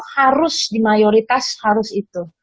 harus di mayoritas harus itu